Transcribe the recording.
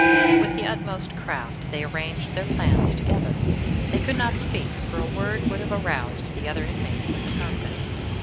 "With the utmost craft they arranged their plans together. They could not speak, for a word would have aroused the other inmates of the convent.